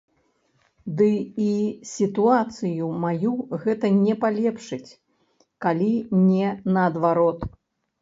Ды і сітуацыю маю гэта не палепшыць, калі не наадварот.